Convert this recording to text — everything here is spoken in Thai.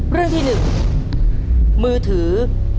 เรื่องที่๑มือถือ